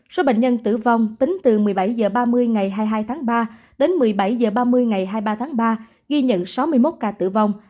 số bệnh nhân tử vong tính từ một mươi bảy h ba mươi ngày hai mươi hai tháng ba đến một mươi bảy h ba mươi ngày hai mươi ba tháng ba ghi nhận sáu mươi một ca tử vong